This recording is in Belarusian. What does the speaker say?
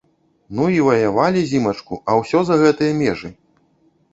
Ну і ваявалі зімачку, а ўсё за гэтыя межы!